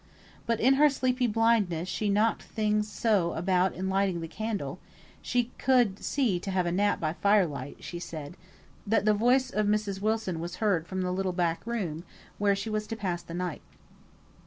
But in her sleepy blindness she knocked things so about in lighting the candle (she could see to have a nap by fire light, she said), that the voice of Mrs. Wilson was heard from the little back room, where she was to pass the night.